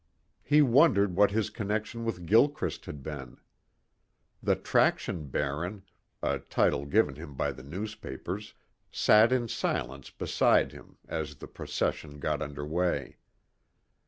He wondered what his connection with Gilchrist had been. The traction baron a title given him by the newspapers sat in silence beside him as the procession got under way.